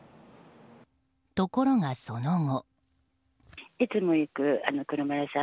ところが、その後。